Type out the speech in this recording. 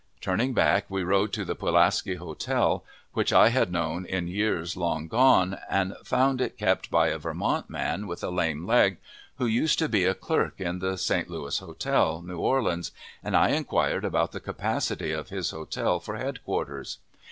Turning back, we rode to the Pulaski Hotel, which I had known in years long gone, and found it kept by a Vermont man with a lame leg, who used to be a clerk in the St. Louis Hotel, New Orleans, and I inquired about the capacity of his hotel for headquarters.